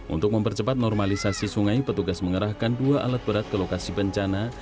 untuk mempercepat normalisasi sungai petugas mengerahkan dua alat berat ke lokasi bencana